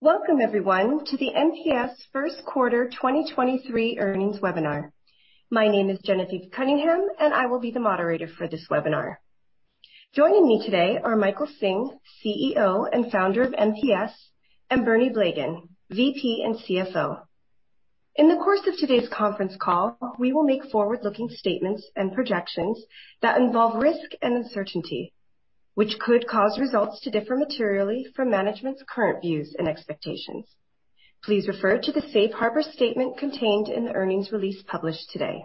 Welcome everyone to the MPS first quarter 2023 earnings webinar. My name is Jennifer Cunningham, and I will be the Moderator for this webinar. Joining me today are Michael Hsing, CEO and Founder of MPS, and Bernie Blegen, VP and CFO. In the course of today's conference call, we will make forward-looking statements and projections that involve risk and uncertainty, which could cause results to differ materially from management's current views and expectations. Please refer to the safe harbor statement contained in the earnings release published today.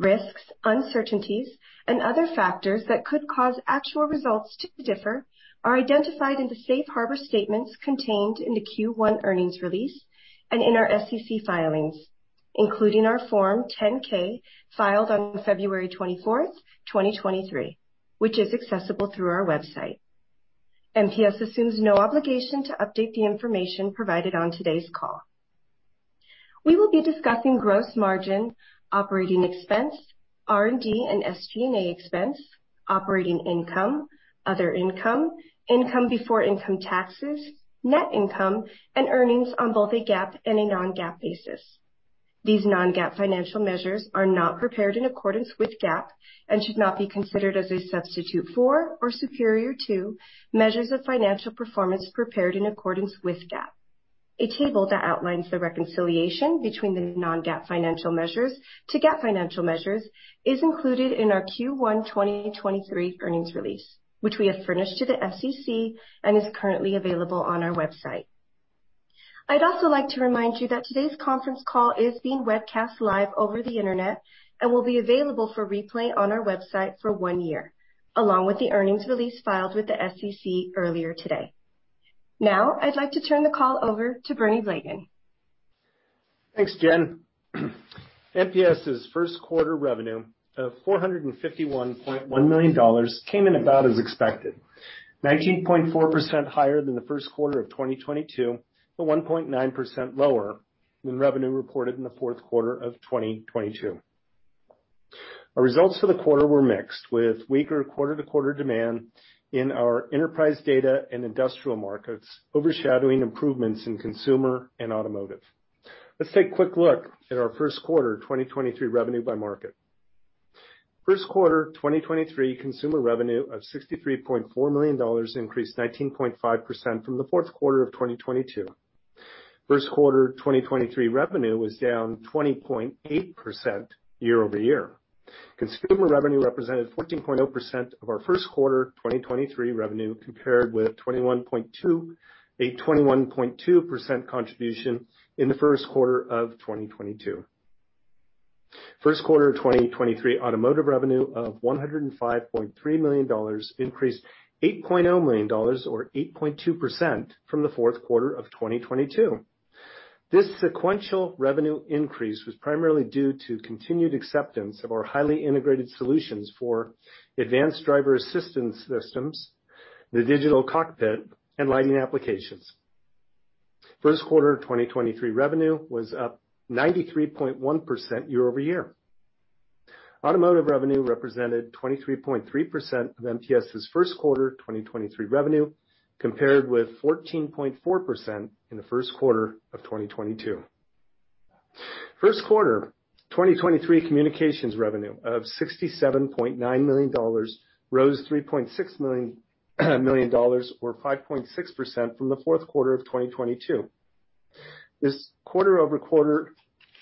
Risks, uncertainties, and other factors that could cause actual results to differ are identified in the safe harbor statements contained in the Q1 earnings release and in our SEC filings, including our Form 10-K, filed on 24th February 2023, which is accessible through our website. MPS assumes no obligation to update the information provided on today's call. We will be discussing gross margin, operating expense, R&D, and SG&A expense, operating income, other income before income taxes, net income, and earnings on both a GAAP and a non-GAAP basis. These non-GAAP financial measures are not prepared in accordance with GAAP and should not be considered as a substitute for or superior to measures of financial performance prepared in accordance with GAAP. A table that outlines the reconciliation between the non-GAAP financial measures to GAAP financial measures is included in our Q1 2023 earnings release, which we have furnished to the SEC and is currently available on our website. I'd also like to remind you that today's conference call is being webcast live over the Internet and will be available for replay on our website for one year, along with the earnings release filed with the SEC earlier today. I'd like to turn the call over to Bernie Blegen. Thanks, Jen. MPS' first quarter revenue of $451.1 million came in about as expected, 19.4% higher than the first quarter of 2022, but 1.9% lower than revenue reported in the fourth quarter of 2022. Our results for the quarter were mixed, with weaker quarter-to-quarter demand in our enterprise data and industrial markets, overshadowing improvements in consumer and automotive. Let's take a quick look at our first quarter 2023 revenue by market. First quarter 2023 consumer revenue of $63.4 million increased 19.5% from the fourth quarter of 2022. First quarter 2023 revenue was down 20.8% year-over-year. Consumer revenue represented 14.0% of our first quarter 2023 revenue, compared with 21.2% contribution in the first quarter of 2022. First quarter 2023 automotive revenue of $105.3 million increased $8.0 million or 8.2% from the fourth quarter of 2022. This sequential revenue increase was primarily due to continued acceptance of our highly integrated solutions for advanced driver assistance systems, the digital cockpit, and lighting applications. First quarter 2023 revenue was up 93.1% year-over-year. Automotive revenue represented 23.3% of MPS's first quarter 2023 revenue, compared with 14.4% in the first quarter of 2022. First quarter 2023 communications revenue of $67.9 million rose $3.6 million or 5.6% from the fourth quarter of 2022. This quarter-over-quarter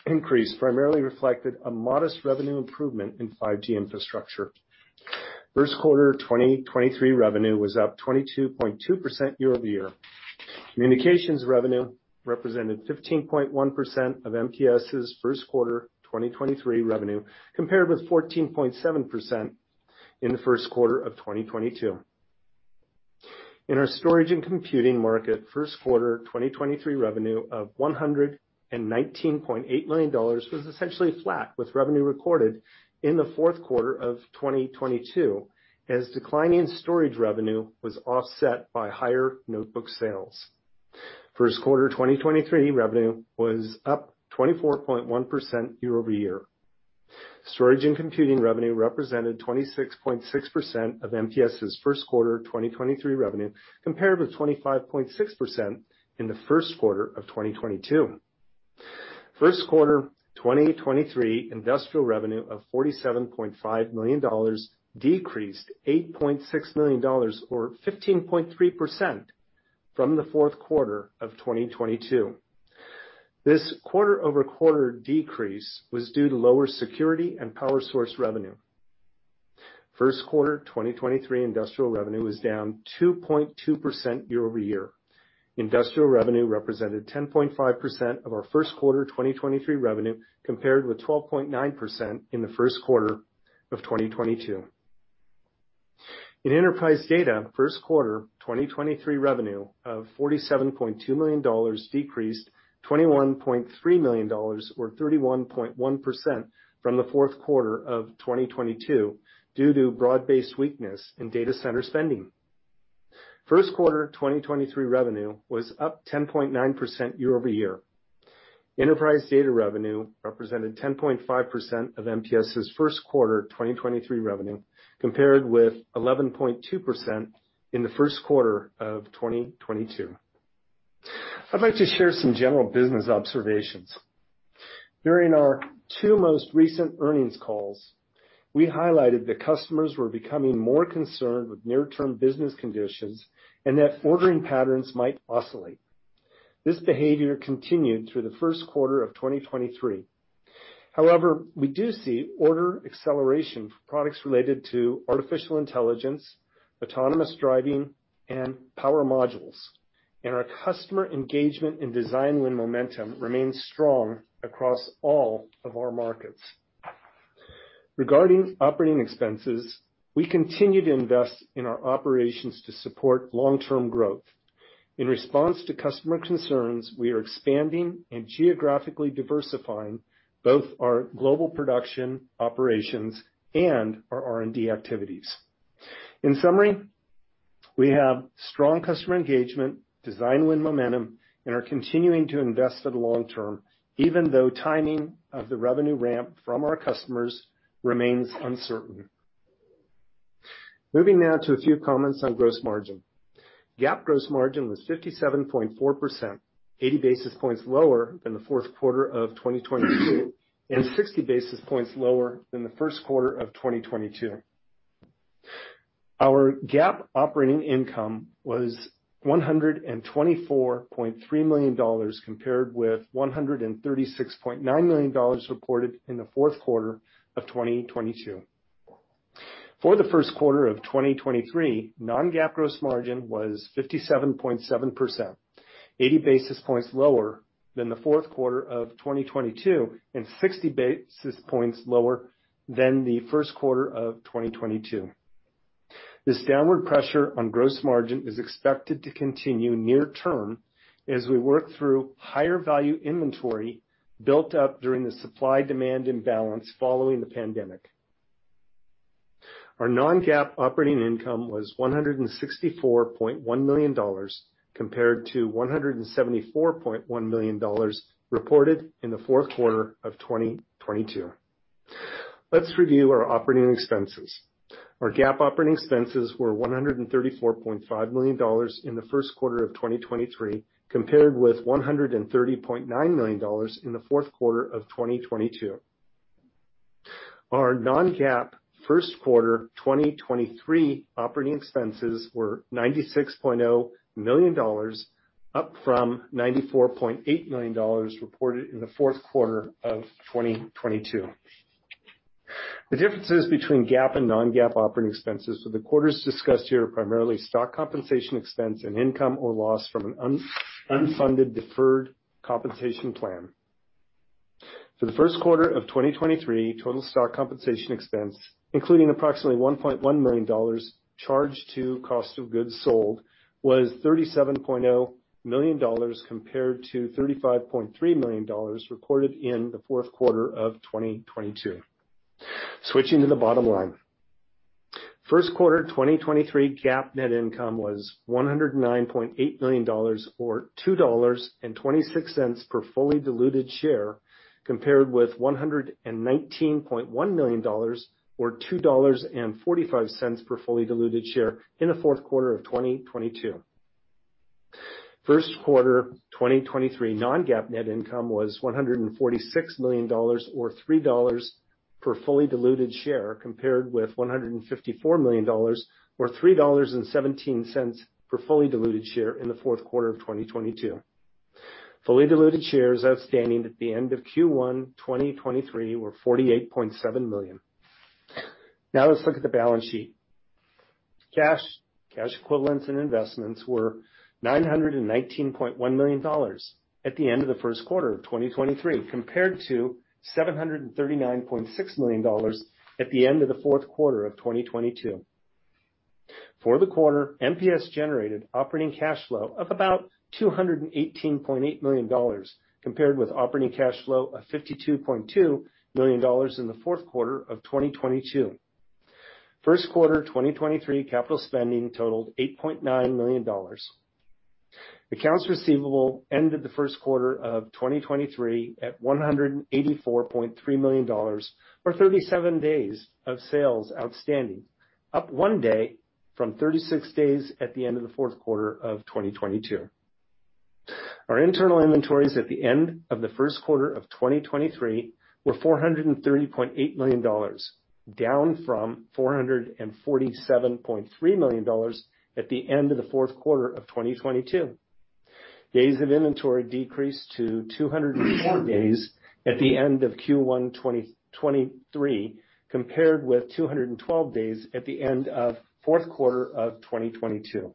increase primarily reflected a modest revenue improvement in 5G infrastructure. First quarter 2023 revenue was up 22.2% year-over-year. Communications revenue represented 15.1% of MPS's first quarter 2023 revenue, compared with 14.7% in the first quarter of 2022. In our storage and computing market, first quarter 2023 revenue of $119.8 million was essentially flat with revenue recorded in the fourth quarter of 2022, as decline in storage revenue was offset by higher notebook sales. First quarter 2023 revenue was up 24.1% year-over-year. Storage and computing revenue represented 26.6% of MPS's first quarter 2023 revenue, compared with 25.6% in the first quarter of 2022. First quarter 2023 industrial revenue of $47.5 million decreased $8.6 million or 15.3% from the fourth quarter of 2022. This quarter-over-quarter decrease was due to lower security and power source revenue. First quarter 2023 industrial revenue was down 2.2% year-over-year. Industrial revenue represented 10.5% of our first quarter 2023 revenue, compared with 12.9% in the first quarter of 2022. In enterprise data, first quarter 2023 revenue of $47.2 million decreased $21.3 million or 31.1% from the fourth quarter 2022 due to broad-based weakness in data center spending. First quarter 2023 revenue was up 10.9% year-over-year. Enterprise data revenue represented 10.5% of MPS's first quarter 2023 revenue, compared with 11.2% in the first quarter 2022. I'd like to share some general business observations. During our two most recent earnings calls, we highlighted that customers were becoming more concerned with near-term business conditions and that ordering patterns might oscillate. This behavior continued through the first quarter 2023. We do see order acceleration for products related to artificial intelligence, autonomous driving, and power modules, and our customer engagement in design win momentum remains strong across all of our markets. Regarding operating expenses, we continue to invest in our operations to support long-term growth. In response to customer concerns, we are expanding and geographically diversifying both our global production operations and our R&D activities. In summary, we have strong customer engagement, design win momentum, and are continuing to invest at long-term, even though timing of the revenue ramp from our customers remains uncertain. Moving now to a few comments on gross margin. GAAP gross margin was 57.4%, 80 basis points lower than the fourth quarter of 2022, and 60 basis points lower than the first quarter of 2022. Our GAAP operating income was $124.3 million, compared with $136.9 million reported in the fourth quarter of 2022. For the first quarter of 2023, non-GAAP gross margin was 57.7%, 80 basis points lower than the fourth quarter of 2022, and 60 basis points lower than the first quarter of 2022. This downward pressure on gross margin is expected to continue near term as we work through higher value inventory built up during the supply demand imbalance following the pandemic. Our non-GAAP operating income was $164.1 million, compared- $174.1 million reported in the fourth quarter of 2022. Let's review our operating expenses. Our GAAP operating expenses were $134.5 million in the first quarter of 2023, compared with $130.9 million in the fourth quarter of 2022. Our non-GAAP first quarter 2023 operating expenses were $96.0 million, up from $94.8 million reported in the fourth quarter of 2022. The differences between GAAP and non-GAAP operating expenses for the quarters discussed here are primarily stock compensation expense and income or loss from an unfunded deferred compensation plan. For the first quarter of 2023, total stock compensation expense, including approximately $1.1 million charged to cost of goods sold, was $37.0 million, compared to $35.3 million recorded in the fourth quarter of 2022. Switching to the bottom line. First quarter 2023 GAAP net income was $109.8 million or $2.26 per fully diluted share, compared with $119.1 million or $2.45 per fully diluted share in the fourth quarter of 2022. First quarter 2023 non-GAAP net income was $146 million or $3 per fully diluted share, compared with $154 million or $3.17 per fully diluted share in the fourth quarter of 2022. Fully diluted shares outstanding at the end of Q1 2023 were 48.7 million. Let's look at the balance sheet. Cash, cash equivalents and investments were $919.1 million at the end of the first quarter of 2023, compared to $739.6 million at the end of the fourth quarter of 2022. For the quarter, MPS generated operating cash flow of about $218.8 million, compared with operating cash flow of $52.2 million in the fourth quarter of 2022. First quarter 2023 capital spending totaled $8.9 million. Accounts receivable ended the first quarter of 2023 at $184.3 million, or 37 days of sales outstanding, up one day from 36 days at the end of the fourth quarter of 2022. Our internal inventories at the end of the first quarter of 2023 were $430.8 million, down from $447.3 million at the end of the fourth quarter of 2022. Days of inventory decreased to 204 days at the end of Q1 2023, compared with 212 days at the end of fourth quarter of 2022.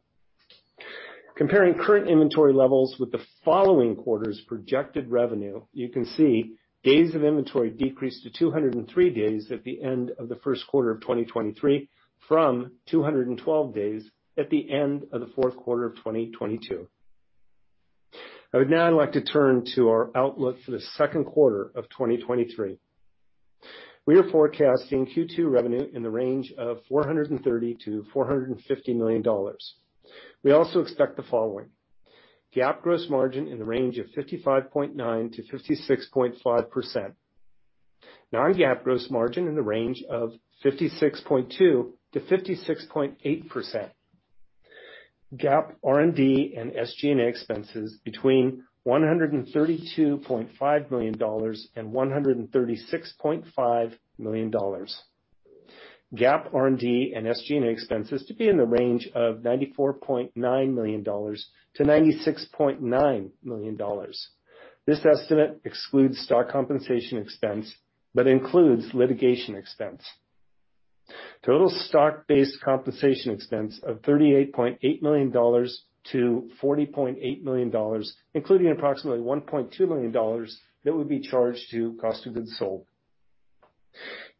Comparing current inventory levels with the following quarter's projected revenue, you can see days of inventory decreased to 203 days at the end of the first quarter of 2023 from 212 days at the end of the fourth quarter of 2022. I would now like to turn to our outlook for the second quarter of 2023. We are forecasting Q2 revenue in the range of $430 million-$450 million. We also expect the following: GAAP gross margin in the range of 55.9%-56.5%. non-GAAP gross margin in the range of 56.2%-56.8%. GAAP R&D and SG&A expenses between $132.5 million and $136.5 million. GAAP R&D and SG&A expenses to be in the range of $94.9 million-$96.9 million. This estimate excludes stock compensation expense, but includes litigation expense. Total stock-based compensation expense of $38.8 million-$40.8 million, including approximately $1.2 million that would be charged to cost of goods sold.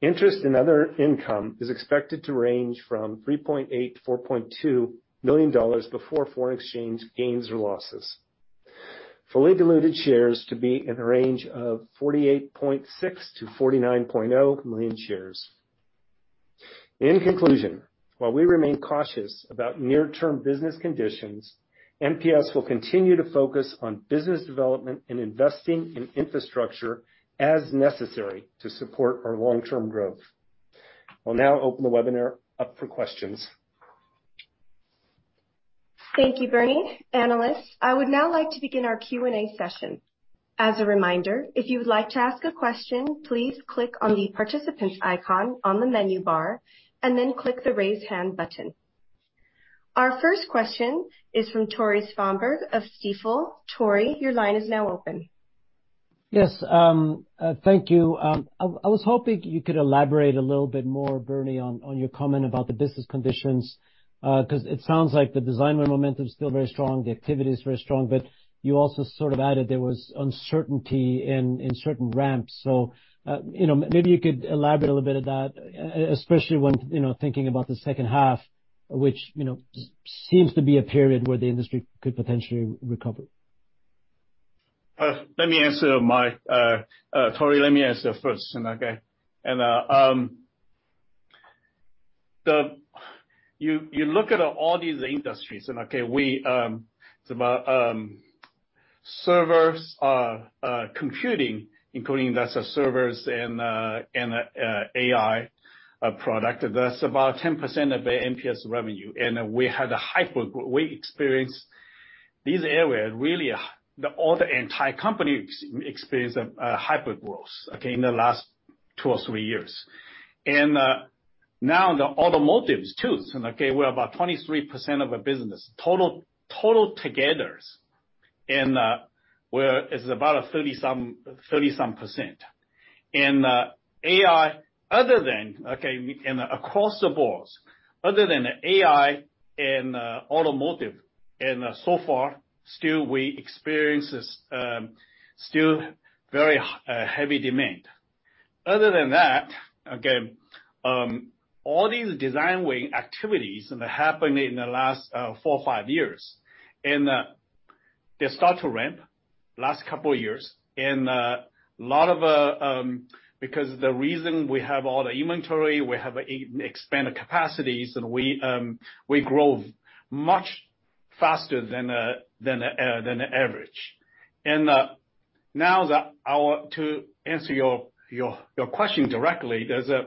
Interest and other income is expected to range from $3.8 million-$4.2 million before foreign exchange gains or losses. Fully diluted shares to be in the range of 48.6 million-49.0 million shares. In conclusion, while we remain cautious about near-term business conditions, MPS will continue to focus on business development and investing in infrastructure as necessary to support our long-term growth. I'll now open the webinar up for questions. Thank you, Bernie. Analysts, I would now like to begin our Q&A session. As a reminder, if you would like to ask a question, please click on the participant's icon on the menu bar, and then click the Raise Hand button. Our first question is from Tore Svanberg of Stifel. Tore, your line is now open. Yes, thank you. I was hoping you could elaborate a little bit more, Bernie, on your comment about the business conditions 'cause it sounds like the design win momentum is still very strong, the activity is very strong, but you also sort of added there was uncertainty in certain ramps. You know, maybe you could elaborate a little bit of that, especially when, thinking about the second half, which, seems to be a period where the industry could potentially recover. Let me answer, Mike. Tore, let me answer first, okay? You look at all these industries, we, it's about servers, computing, including that's servers and AI product. That's about 10% of the MPS revenue. We experienced these areas, the entire company experienced a hyper-growth in the last 2 or 3 years. Now the automotives too, we're about 23% of the business. Total together, It's about 30%. AI, other than, and across the boards, other than AI and automotive, and so far, still we experience this still very heavy demand. Other than that, again, all these design win activities that happened in the last, four or five years, they start to ramp last couple of years. A lot of, because the reason we have all the inventory, we have e-expanded capacities, and we grow much faster than the average. Now that to answer your question directly, there's a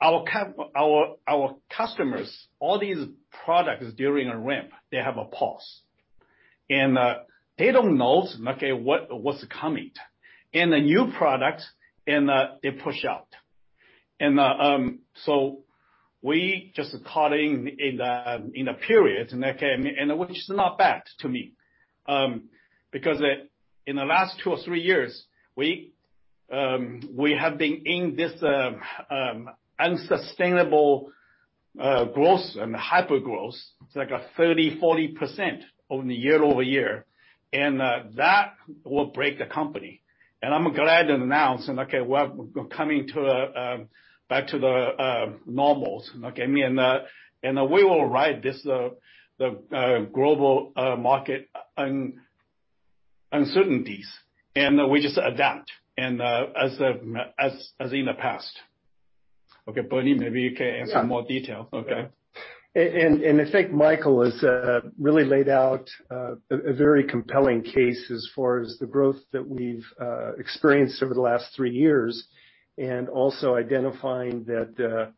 Our customers, all these products during a ramp, they have a pause. They don't know, okay, what's coming. The new product, they push out. We just caught in the, in a period, which is not bad to me, because in the last two or three years, we have been in this unsustainable growth and hyper-growth. It's like a 30%, 40% on year-over-year, that will break the company. I'm glad to announce we're coming to back to the normals. I mean, we will ride this global market uncertainties, and we just adapt as in the past. Bernie, maybe you can add some more detail. I think Michael has really laid out a very compelling case as far as the growth that we've experienced over the last 3 years, and also identifying that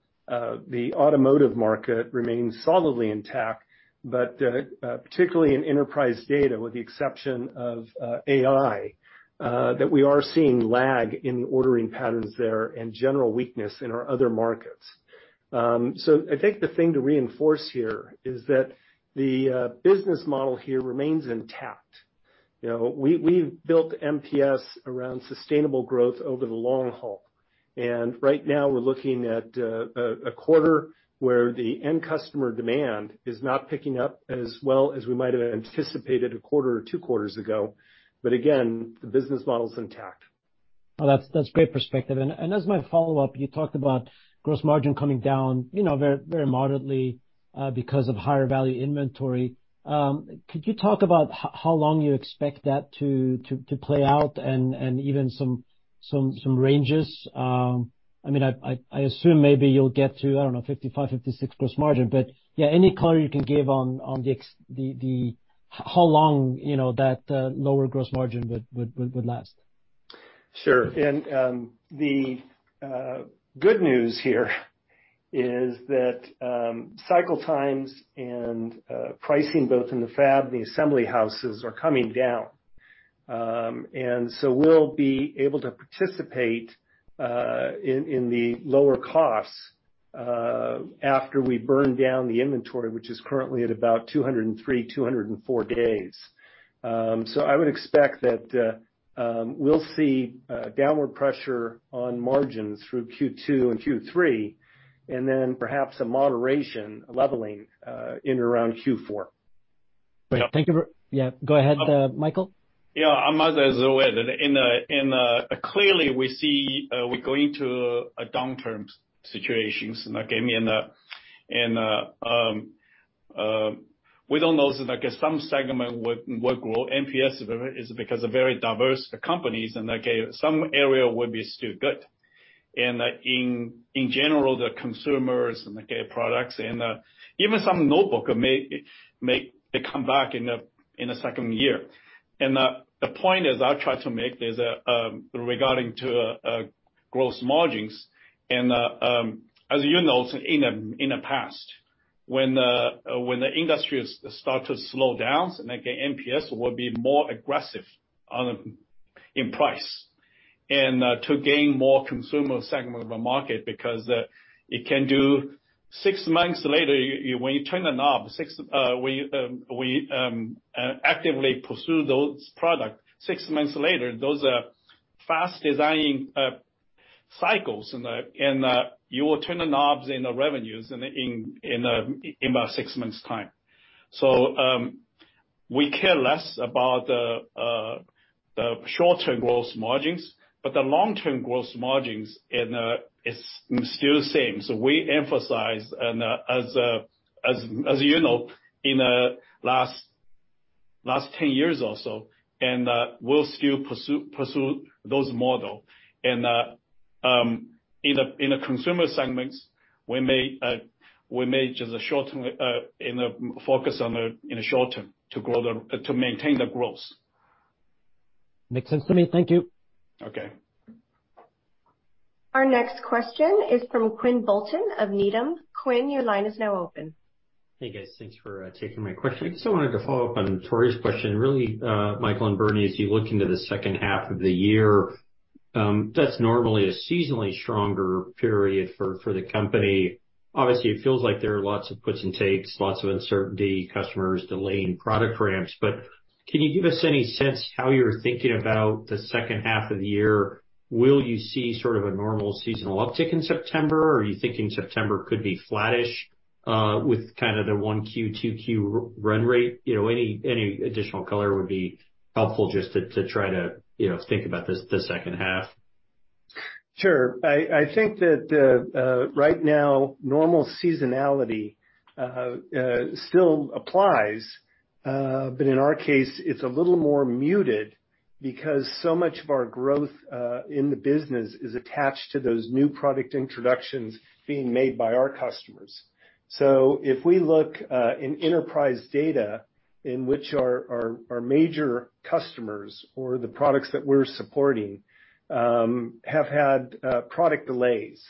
the automotive market remains solidly intact. Particularly in enterprise data, with the exception of AI, that we are seeing lag in ordering patterns there and general weakness in our other markets. I think the thing to reinforce here is that the business model here remains intact. You know, we've built MPS around sustainable growth over the long haul. Right now we're looking at a quarter where the end customer demand is not picking up as well as we might have anticipated a quarter or two quarters ago. Again, the business model is intact. Well, that's great perspective. As my follow-up, you talked about gross margin coming down very, very moderately because of higher value inventory. Could you talk about how long you expect that to play out and even some ranges? I mean, I assume maybe you'll get to, I don't know, 55%-56% gross margin. Yeah, any color you can give on how long that lower gross margin would last. Sure. The good news here is that cycle times and pricing both in the fab and the assembly houses are coming down. We'll be able to participate in the lower costs after we burn down the inventory, which is currently at about 203-204 days. I would expect that we'll see downward pressure on margins through Q2 and Q3, and then perhaps a moderation leveling in around Q4. Great. Thank you for- Yeah. Yeah, go ahead, Michael. Yeah. I might as well. In, clearly we see, we're going to a downturn situations. I mean, we don't know, so like in some segment would grow. MPS is because of very diverse companies and like some area would be still good. In general, the consumers and the products and even some notebook may come back in the second year. The point is I've tried to make is regarding to growth margins. As in the past, when the industry start to slow down and like MPS will be more aggressive on, in price, to gain more consumer segment of the market because it can do six months later when you turn the knob, we actively pursue those product. Six months later, those are fast designing cycles, and you will turn the knobs in the revenues in about six months time. We care less about the short-term growth margins, but the long-term growth margins and it's still the same. We emphasize and as in the last 10 years or so, we'll still pursue those model. In a consumer segments, we may just shorten and focus on the, in the short-term to maintain the growth. Makes sense to me. Thank you. Okay. Our next question is from Quinn Bolton of Needham. Quinn, your line is now open. Hey guys, thanks for taking my question. I just wanted to follow up on Tore's question really, Michael and Bernie, as you look into the second half of the year, that's normally a seasonally stronger period for the company. Obviously, it feels like there are lots of puts and takes, lots of uncertainty, customers delaying product ramps. Can you give us any sense how you're thinking about the second half of the year? Will you see sort of a normal seasonal uptick in September, or are you thinking September could be flattish with kind of the 1Q, 2Q run rate? You know, any additional color would be helpful just to try to think about this, the second half. Sure. I think that right now, normal seasonality still applies. In our case, it's a little more muted because so much of our growth in the business is attached to those new product introductions being made by our customers. If we look in enterprise data in which our major customers or the products that we're supporting have had product delays.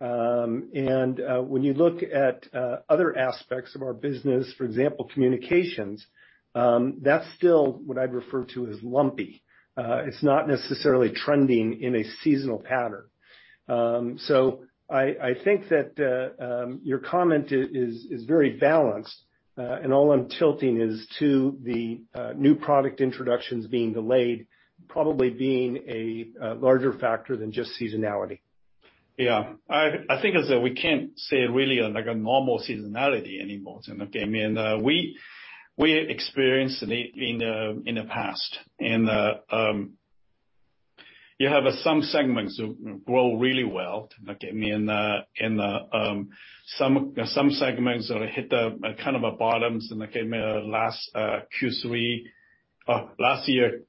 When you look at other aspects of our business, for example, communications, that's still what I'd refer to as lumpy. It's not necessarily trending in a seasonal pattern. I think that your comment is very balanced, and all I'm tilting is to the new product introductions being delayed, probably being a larger factor than just seasonality. Yeah. I think as we can't say really like a normal seasonality anymore. I mean, we experienced in the past, you have some segments grow really well. I mean, some segments hit kind of a bottoms and like in last Q3, last year,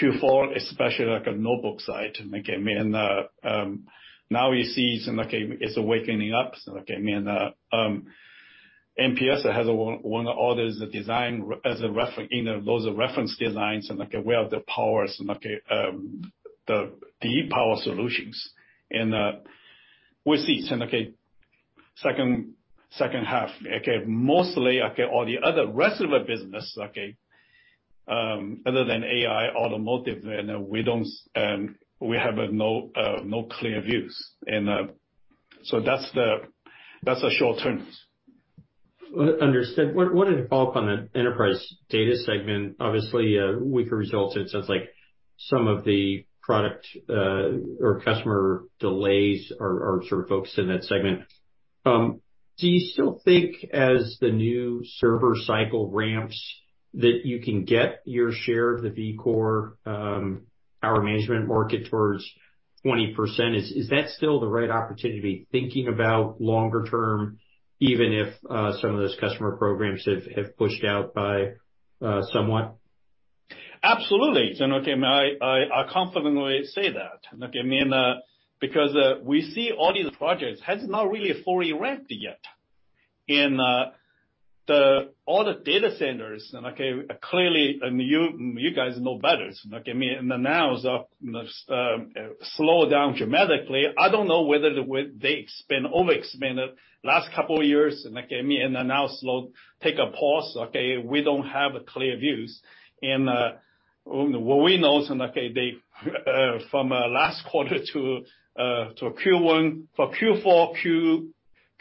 Q4, especially like a notebook side. Now you see some, like, it's awakening up. MPS has one orders design in those reference designs, and, like, we have the powers and the e-power solutions. We see some, second half. Mostly, all the other rest of our business, other than AI, automotive, and we don't, we have no clear views. That's the short-terms. Understood. Wanted to follow up on the enterprise data segment. Obviously, weaker results, it sounds like some of the product or customer delays are sort of focused in that segment. Do you still think as the new server cycle ramps that you can get your share of the Vcore, our management market towards 20%? Is that still the right opportunity, thinking about longer term, even if some of those customer programs have pushed out by somewhat? Absolutely. Okay. I confidently say that, okay? I mean, because we see all these projects has not really fully ramped yet. In all the data centers, okay, clearly, and you guys know better, okay? I mean, now is slow down dramatically. I don't know whether the way they expand, overexpanded last couple years, okay? I mean, now slow, take a pause, okay? We don't have clear views. What we know, okay, they from last quarter to to Q1, from Q4,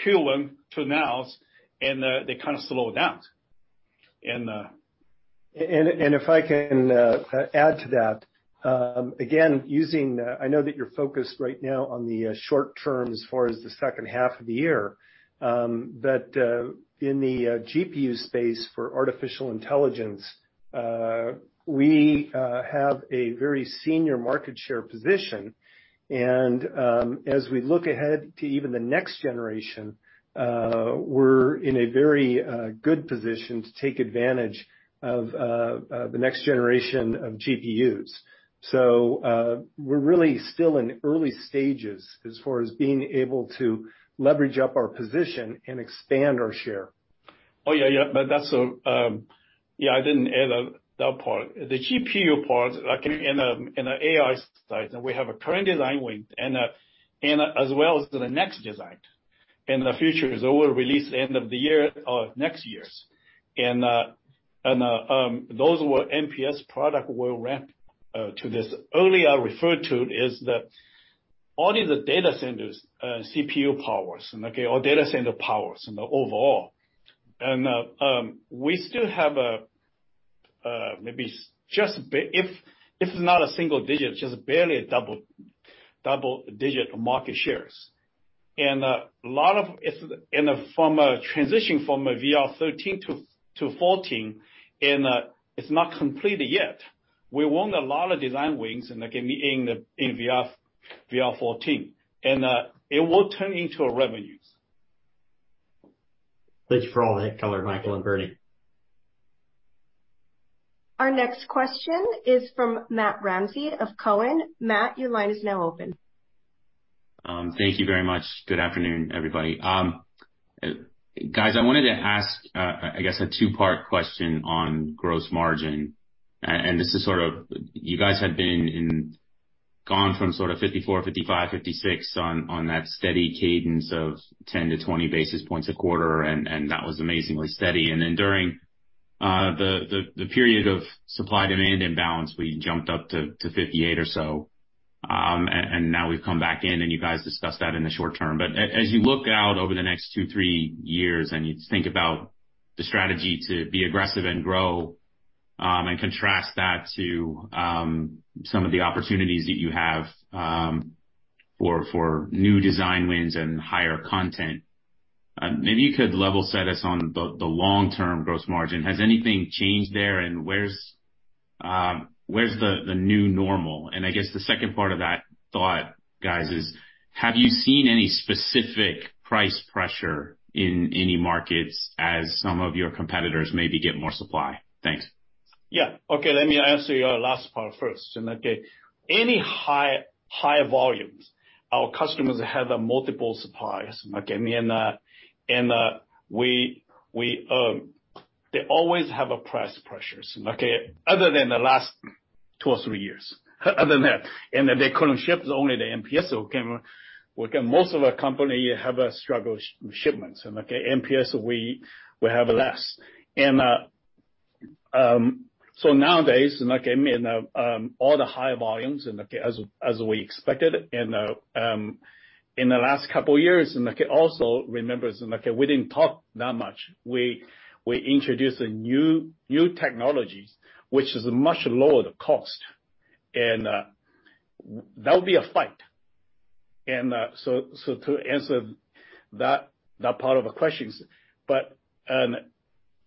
Q1 to now, and they kind of slowed down. If I can add to that. Again, using, I know that you're focused right now on the short-term as far as the second half of the year. In the GPU space for artificial intelligence, we have a very senior market share position and, as we look ahead to even the next generation, we're in a very good position to take advantage of the next generation of GPUs. We're really still in early stages as far as being able to leverage up our position and expand our share. Oh, yeah. Yeah. That's. Yeah, I didn't add that part. The GPU part, okay, in the AI side, we have a current design win and as well as the next design. In the future, it will release end of the year or next years. Those were MPS product will ramp to this. Earlier I referred to is that all of the data centers, CPU powers, okay, all data center powers overall. We still have a, maybe just if not a single-digit, just barely a double-digit market shares. A lot of it's from a transition from a VR13 to VR14, it's not complete yet. We won a lot of design wins in VR14. It will turn into revenues. Thank you for all that color, Michael and Bernie. Our next question is from Matt Ramsay of TD Cowen. Matt, your line is now open. Thank you very much. Good afternoon, everybody. Guys, I wanted to ask, I guess, a two-part question on gross margin. This is sort of you guys had been gone from sort of 54%, 55%, 56% on that steady cadence of 10-20 basis points a quarter, and that was amazingly steady. Then during the period of supply-demand imbalance, we jumped up to 58% or so. Now we've come back in, and you guys discussed that in the short-term. As you look out over the next two, three years, and you think about the strategy to be aggressive and grow, and contrast that to some of the opportunities that you have for new design wins and higher content, maybe you could level set us on the long-term gross margin. Has anything changed there? Where's the new normal? I guess the second part of that thought, guys, is have you seen any specific price pressure in any markets as some of your competitors maybe get more supply? Thanks. Yeah. Okay. Let me answer your last part first. Any high volumes, our customers have multiple suppliers. We, they always have a price pressures. Other than the last 2 or 3 years. Other than that. They couldn't ship only the MPS. Most of our company have struggled with shipments, MPS, we have less. Nowadays, all the high volumes, as we expected in the last couple years. Also remember, we didn't talk that much. We introduced new technologies, which is much lower the cost. That would be a fight. So to answer that part of the questions.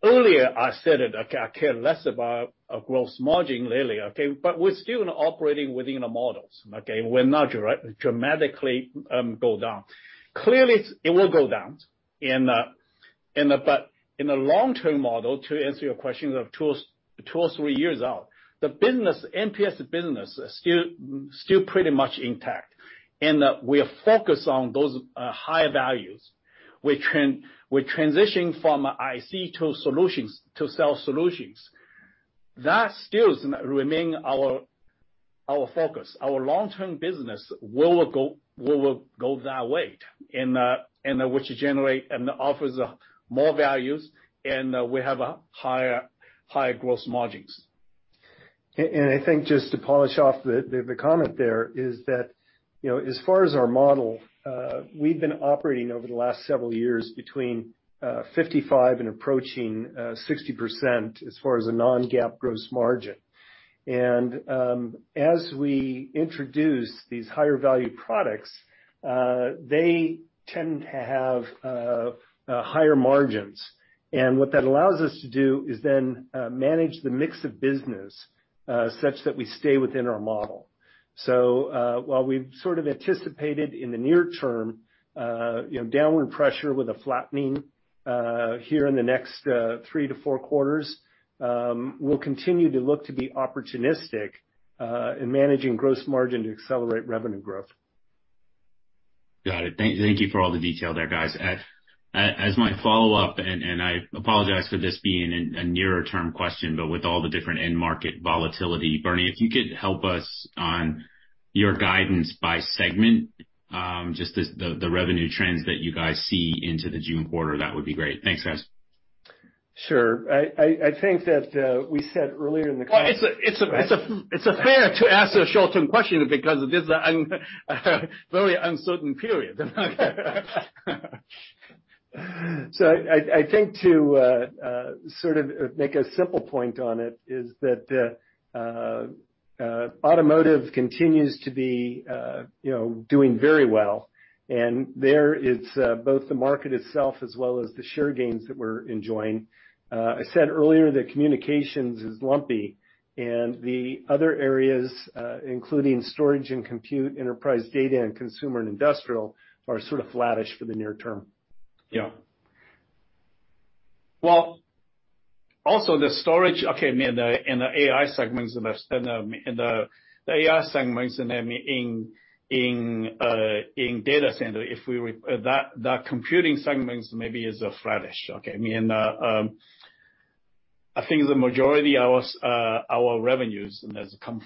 Earlier I said it, okay, I care less about a gross margin really, okay? We're still operating within the models, okay? We're not dramatically go down. Clearly it will go down and, but in the long-term model, to answer your question of 2 or 3 years out, the business, MPS business is still pretty much intact. We are focused on those, higher values. We're transitioning from IC to solutions to sell solutions. That still remain our focus. Our long-term business will go that way and which generate and offers more values, and we have higher gross margins. I think just to polish off the comment there is that, as far as our model, we've been operating over the last several years between 55% and approaching 60% as far as a non-GAAP gross margin. As we introduce these higher value products, they tend to have higher margins. What that allows us to do is then manage the mix of business such that we stay within our model. While we've sort of anticipated in the near term, downward pressure with a flattening here in the next three to four quarters, we'll continue to look to be opportunistic in managing gross margin to accelerate revenue growth. Got it. Thank you for all the detail there, guys. As my follow-up, and I apologize for this being a nearer term question, With all the different end market volatility, Bernie, if you could help us on your guidance by segment, just the revenue trends that you guys see into the June quarter, that would be great. Thanks, guys. Sure. I think that we said earlier in the call. Well, it's a it's fair to ask a short-term question because it is a very uncertain period. I think to sort of make a simple point on it, is that automotive continues to be doing very well. There, it's both the market itself as well as the share gains that we're enjoying. I said earlier that communications is lumpy, and the other areas, including storage and compute, enterprise data, and consumer and industrial, are sort of flattish for the near term. Well, also the storage, okay, I mean, in the AI segments, and the AI segments, I mean, in data center, that computing segments maybe is flattish, okay? I mean, I think the majority of our revenues still come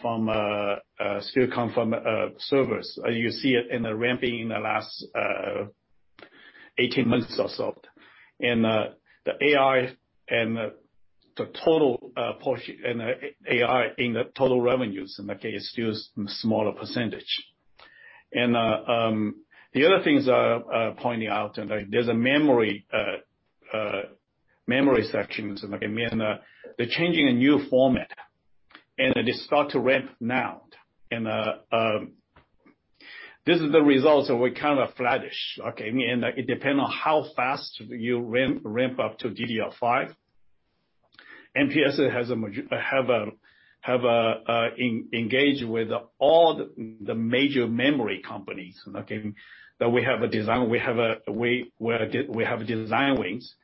from servers. You see it in the ramping in the last 18 months or so. The AI and the total portion and AI in the total revenues, okay, it's still smaller %. The other things I pointing out, and there's a memory sections, and again, they're changing a new format, and it is start to ramp now. This is the results, and we're kind of flattish, okay? I mean, it depend on how fast you ramp up to DDR5. MPS has a engage with all the major memory companies, okay? We have a design, we have design wins.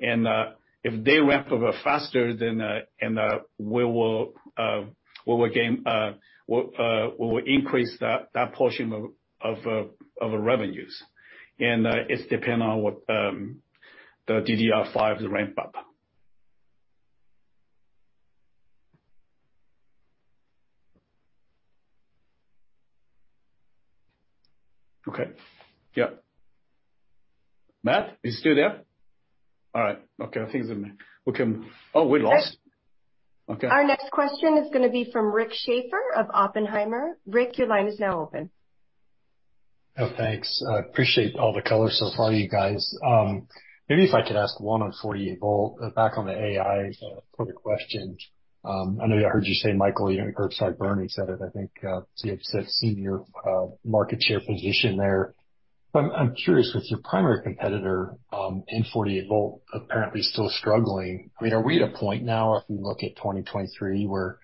If they ramp a bit faster than the we will gain, we'll increase that portion of revenues. It's depend on what the DDR5 ramp up. Okay. Yeah. Matt, are you still there? All right. Okay. I think we can. Oh, we lost? Okay. Our next question is gonna be from Richard Schafer of Oppenheimer. Rick, your line is now open. Oh, thanks. I appreciate all the color so far, you guys. Maybe if I could ask one on 48-volt, back on the AI product question. I know I heard you say, Michael, or sorry, Bernie said it, you have that senior market share position there. I'm curious, with your primary competitor in 48-volt apparently still struggling, are we at a point now, if we look at 2023, where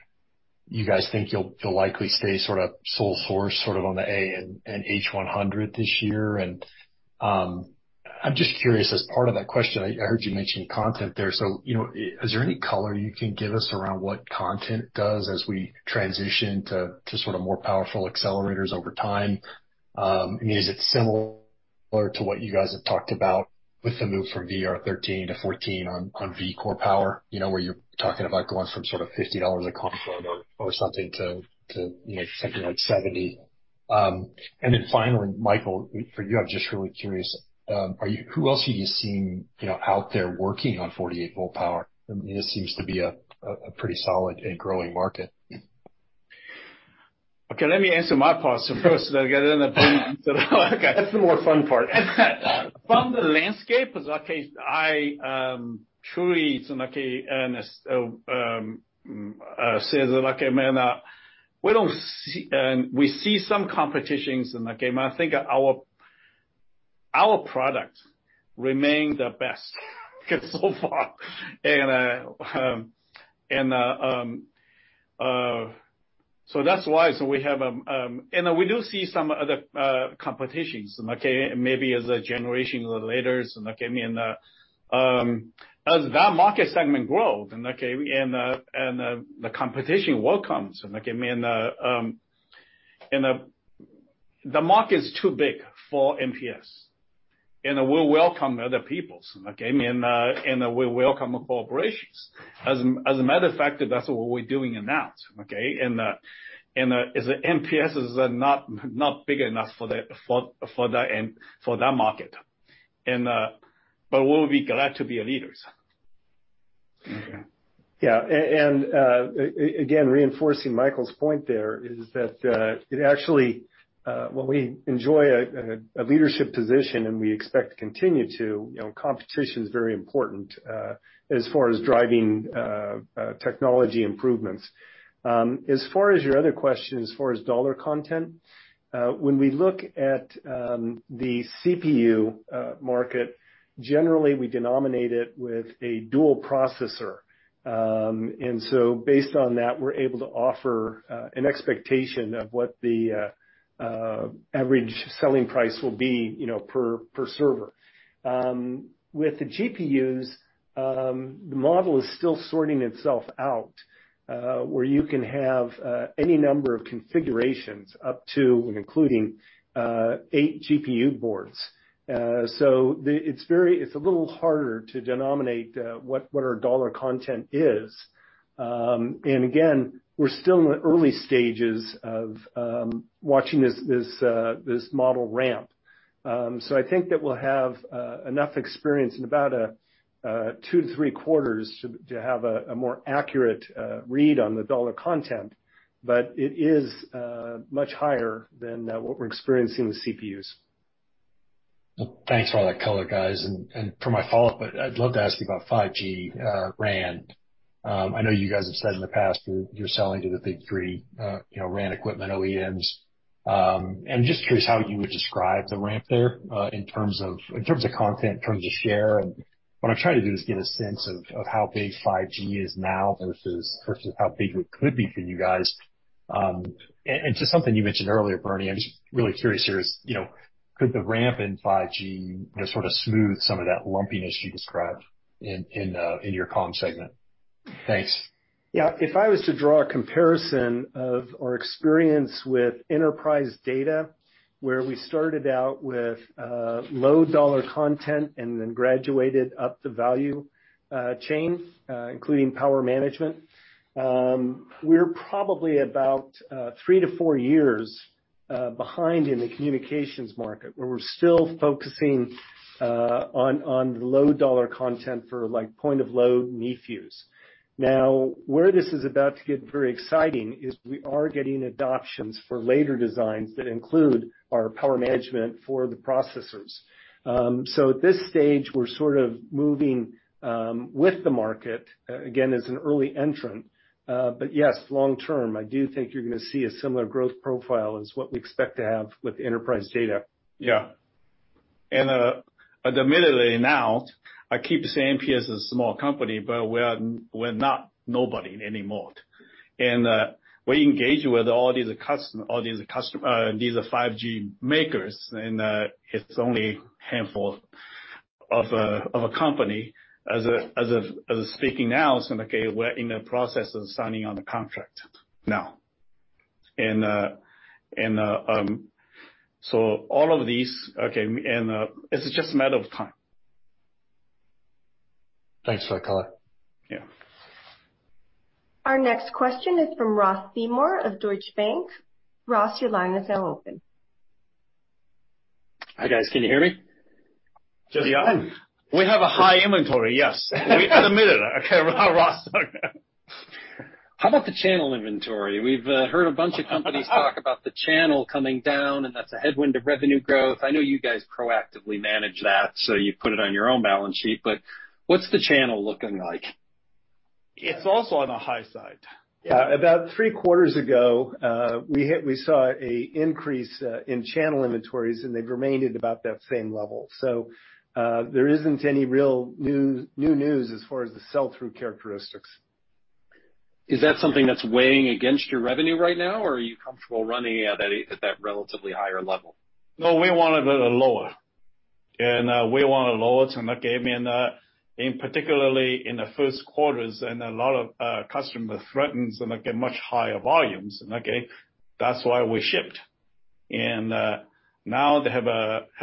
you guys think you'll likely stay sort of sole source, sort of on the A100 and H100 this year? I'm just curious as part of that question, I heard you mention content there. You know, is there any color you can give us around what content does as we transition to sort of more powerful accelerators over time? I mean, is it similar to what you guys have talked about with the move from VR13 to 14 on Vcore power where you're talking about going from sort of $50 a core or something to, something like 70? Finally, Michael, for you, I'm just really curious, who else are you seeing, out there working on 48-volt power? I mean, this seems to be a pretty solid and growing market. Okay, let me answer my part first. That's the more fun part. From the landscape, okay, I truly, it's okay, say it like a man. We don't see. We see some competitions, and okay, I think our product remain the best so far. That's why. We have. We do see some other competitions, okay, maybe as a generation or laters, okay. I mean, as that market segment grow, and okay, the competition welcomes, okay. I mean, the market is too big for MPS, and we welcome other peoples, okay? I mean, we welcome corporations. As a matter of fact, that's what we're doing in that, okay? As MPS is not big enough for the for that market. We'll be glad to be leaders. Okay. Yeah. Again, reinforcing Michael's point there is that it actually, when we enjoy a leadership position, and we expect to continue to, competition's very important as far as driving technology improvements. As far as your other question, as far as dollar content, when we look at the CPU market, generally we denominate it with a dual processor. Based on that, we're able to offer an expectation of what the average selling price will be, per server. With the GPUs, the model is still sorting itself out, where you can have any number of configurations up to and including eight GPU boards. It's a little harder to denominate what our dollar content is. Again, we're still in the early stages of watching this model ramp. I think that we'll have enough experience in about 2-3 quarters to have a more accurate read on the dollar content, but it is much higher than what we're experiencing with CPUs. Well, thanks for all that color, guys. For my follow-up, I'd love to ask you about 5G RAN. I know you guys have said in the past that you're selling to the Big Three, RAN equipment OEMs. I'm just curious how you would describe the ramp there, in terms of content, in terms of share. What I'm trying to do is get a sense of how big 5G is now versus how big it could be for you guys. To something you mentioned earlier, Bernie, I'm just really curious here is, could the ramp in 5G sort of smooth some of that lumpiness you described in your comm segment? Thanks. Yeah. If I was to draw a comparison of our experience with enterprise data, where we started out with low-dollar content and then graduated up the value chain, including power management, we're probably about 3 to 4 years behind in the communications market, where we're still focusing on the low-dollar content for like point of load MEFUs. Where this is about to get very exciting is we are getting adoptions for later designs that include our power management for the processors. At this stage, we're sort of moving with the market again, as an early entrant. Yes, long-term, I do think you're gonna see a similar growth profile as what we expect to have with enterprise data. Yeah. Admittedly now, I keep saying PS is a small company, but we're not nobody anymore. We engage with these 5G makers, and, it's only handful of a company. As speaking now, so okay, we're in the process of signing on the contract now. So all of these, okay, it's just a matter of time. Thanks for that color. Yeah. Our next question is from Ross Seymore of Deutsche Bank. Ross, your line is now open. Hi, guys. Can you hear me? Yes. Yeah. We have a high inventory, yes. We admit it, okay, Ross? How about the channel inventory? We've heard a bunch of companies talk about the channel coming down, and that's a headwind of revenue growth. I know you guys proactively manage that, so you put it on your own balance sheet, but what's the channel looking like? It's also on the high side. Yeah. About three quarters ago, we saw a increase in channel inventories, and they've remained at about that same level. There isn't any real new news as far as the sell-through characteristics. Is that something that's weighing against your revenue right now, or are you comfortable running, that, at that relatively higher level? No, we want it a little lower. We want it lower, and again, in particular in the first quarters, and a lot of, customer threatens and, like, much higher volumes, okay? That's why we shipped. Now they have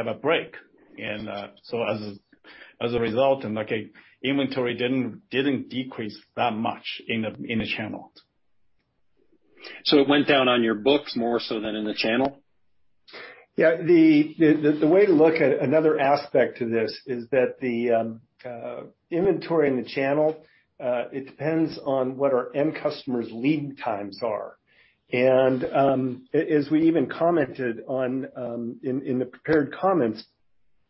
a break. As a result, inventory didn't decrease that much in the channel. It went down on your books more so than in the channel? Yeah. The way to look at another aspect to this is that the inventory in the channel, it depends on what our end customers' lead times are. As we even commented on in the prepared comments,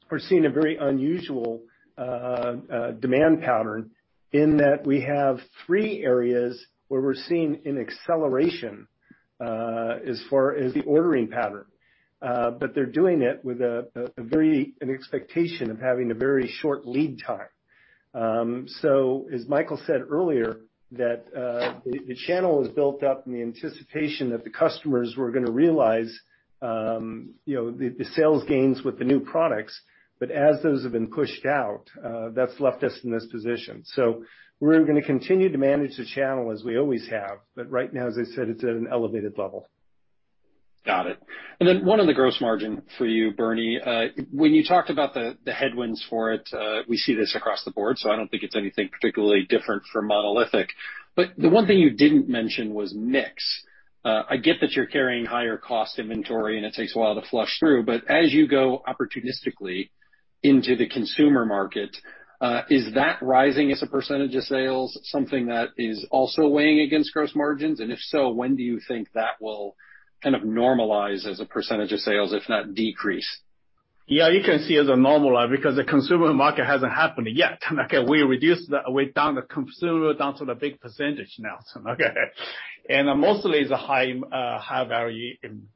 we're seeing a very unusual demand pattern in that we have three areas where we're seeing an acceleration as far as the ordering pattern. They're doing it with a very, an expectation of having a very short lead time. As Michael said earlier, that the channel was built up in the anticipation that the customers were gonna realize the sales gains with the new products. As those have been pushed out, that's left us in this position. We're gonna continue to manage the channel as we always have, but right now, as I said, it's at an elevated level. Got it. Then one on the gross margin for you, Bernie. When you talked about the headwinds for it, we see this across the board, so I don't think it's anything particularly different for Monolithic. The one thing you didn't mention was mix. I get that you're carrying higher cost inventory, and it takes a while to flush through. As you go opportunistically into the consumer market, is that rising as a percentage of sales something that is also weighing against gross margins? If so, when do you think that will kind of normalize as a percentage of sales, if not decrease? Yeah, you can see as a normalize because the consumer market hasn't happened yet. Okay, We've downed the consumer down to the big percentage now. Okay. Mostly it's a high, high value in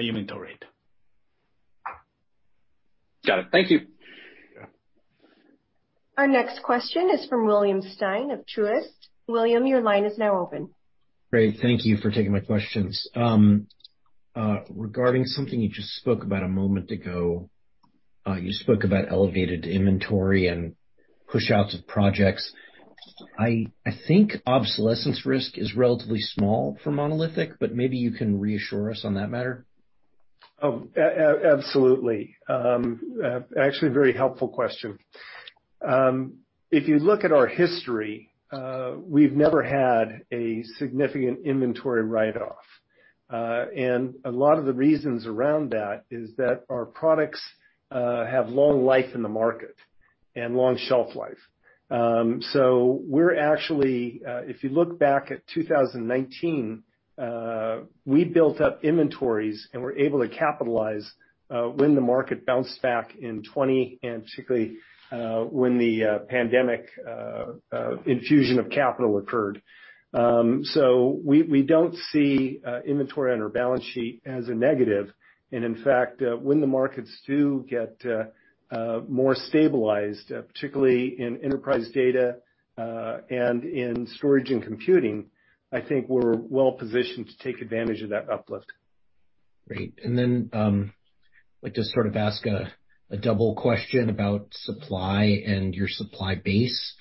inventory. Got it. Thank you. Yeah. Our next question is from William Stein of Truist. William, your line is now open. Great. Thank you for taking my questions. Regarding something you just spoke about a moment ago, you spoke about elevated inventory and pushouts of projects. I think obsolescence risk is relatively small for Monolithic, but maybe you can reassure us on that matter. Absolutely. Actually, a very helpful question. If you look at our history, we've never had a significant inventory write-off. A lot of the reasons around that is that our products have long life in the market and long shelf life. So we're actually, if you look back at 2019, we built up inventories and were able to capitalize when the market bounced back in '20, and particularly when the pandemic infusion of capital occurred. So we don't see inventory on our balance sheet as a negative. In fact, when the markets do get more stabilized, particularly in enterprise data, and in storage and computing, I think we're well positioned to take advantage of that uplift. Great. Like to sort of ask a double question about supply and your supply base.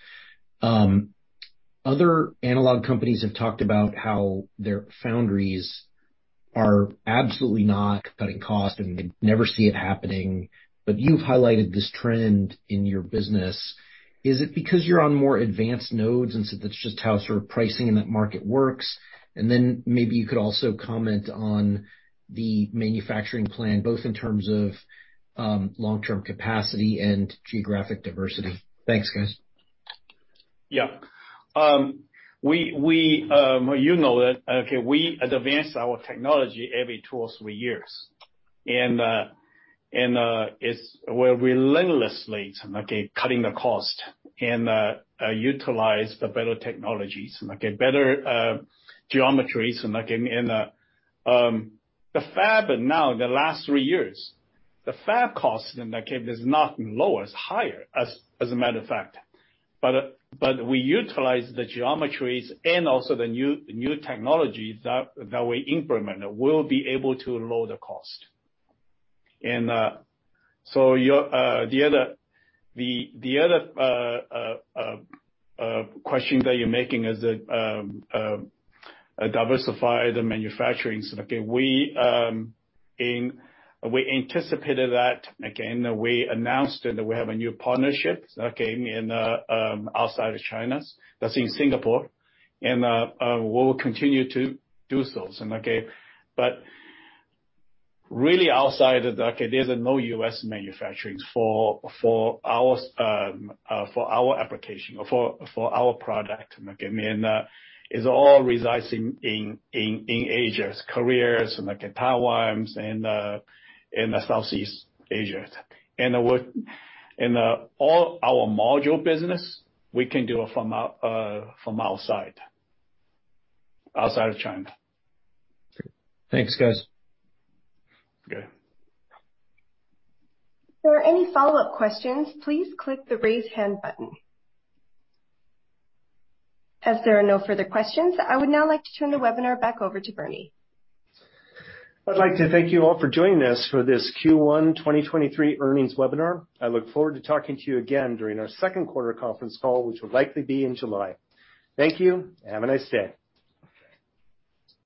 Other analog companies have talked about how their foundries are absolutely not cutting costs, and they never see it happening. You've highlighted this trend in your business. Is it because you're on more advanced nodes, and so that's just how sort of pricing in that market works? Maybe you could also comment on the manufacturing plan, both in terms of long-term capacity and geographic diversity. Thanks, guys. Well, that we advance our technology every two, three years. We're relentlessly cutting the cost and utilize the better technologies. Better geometries and like in the fab now, the last 3 years, the fab cost and that came has not been lower, it's higher as a matter of fact. We utilize the geometries and also the new technologies that we implement, we'll be able to lower the cost. Your the other question that you're making is that diversify the manufacturing. We anticipated that, and we announced it, that we have a new partnership outside of China, that's in Singapore. We will continue to do so, okay? Really outside, okay, there's no U.S. manufacturing for our application or for our product, okay? It all resides in Asian carriers and like in Taiwan and in the Southeast Asia. What in all our module business we can do it from outside of China. Great. Thanks, guys. Okay. If there are any follow-up questions, please click the Raise Hand button. As there are no further questions, I would now like to turn the webinar back over to Bernie. I'd like to thank you all for joining us for this Q1 2023 earnings webinar. I look forward to talking to you again during our second quarter conference call, which will likely be in July. Thank you. Have a nice day.